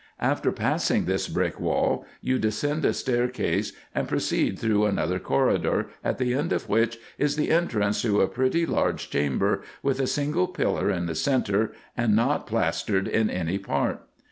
After passing this brick wall you descend a staircase, and proceed through another corridor, at the end of which is the entrance to a pretty large chamber, with a single pillar in the centre, and not plastered in any part.